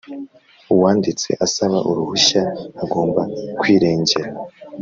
Uwanditse asaba uruhushya agomba kwirengera